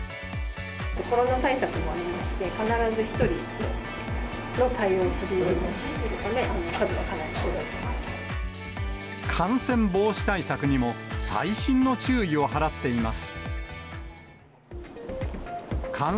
コロナ対策もありまして、必ず１人１個の対応をするようにしているため、かなりの数があり感染防止対策にも、細心の注意を払っています。